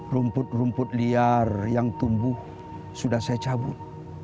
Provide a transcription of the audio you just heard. rumput rumput liar yang tumbuh sudah saya cabut